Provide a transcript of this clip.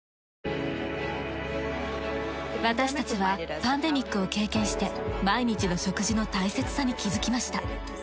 私たちはパンデミックを経験して毎日の食事の大切さに気づきました。